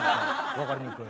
分かりにくい。